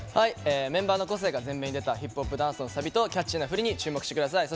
メンバーの個性が前面に出たヒップホップダンスの振りとキャッチーな振りに注目してください。